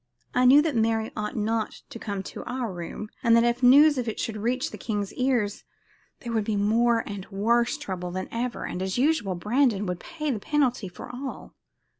I knew that Mary ought not to come to our room, and that if news of it should reach the king's ears there would be more and worse trouble than ever, and, as usual, Brandon would pay the penalty for all.